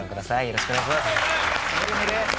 よろしくお願いします。